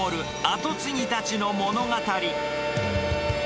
後継ぎたちの物語。